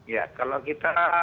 ya kalau kita